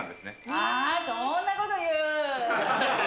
あー、そんなこと言う。